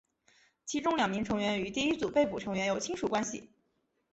其中两名成员与第一组被捕成员有亲属关系。